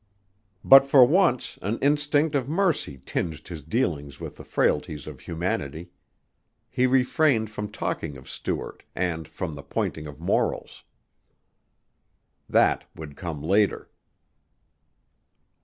But for once an instinct of mercy tinged his dealings with the frailities of humanity. He refrained from talking of Stuart and from the pointing of morals. That would come later.